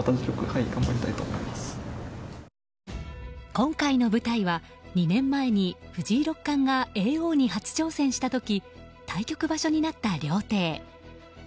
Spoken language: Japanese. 今回の舞台は、２年前に藤井六冠が叡王に初挑戦した時対局場所になった料亭。